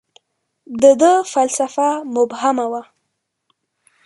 • د ده فلسفه مبهمه وه.